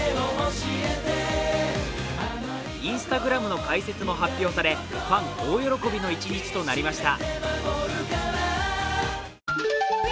Ｉｎｓｔａｇｒａｍの開設も発表され、ファン大喜びの一日となりました。